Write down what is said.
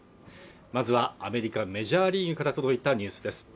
まずはアメリカ・メジャーリーグから届いたニュースです